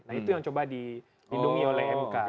nah itu yang coba dilindungi oleh mk